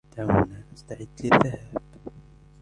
دعونا نستعد للذهاب.